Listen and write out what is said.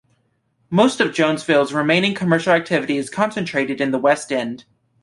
Most of Jonesville's remaining commercial activity is concentrated in the west end.